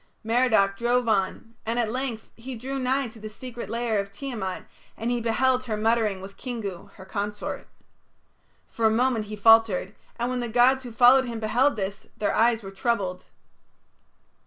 Merodach drove on, and at length he drew nigh to the secret lair of Tiamat, and he beheld her muttering with Kingu, her consort. For a moment he faltered, and when the gods who followed him beheld this, their eyes were troubled.